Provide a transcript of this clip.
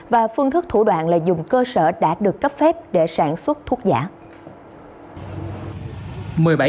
và phương thức thủ đoạn lợi dụng cơ sở đã được cấp phép để sản xuất thuốc giả